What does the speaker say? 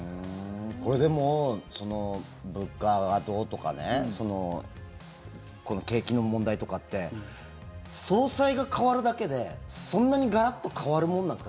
でも、物価がどうとかねこの景気の問題とかって総裁が代わるだけでそんなにガラッと変わるものなんですか。